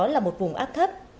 là một vùng áp thấp